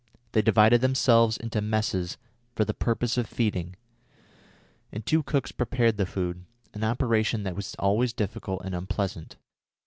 They divided themselves into messes for the purpose of feeding, and two cooks prepared the food, an operation that was always difficult and unpleasant.